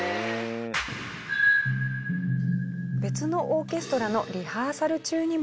別のオーケストラのリハーサル中にも。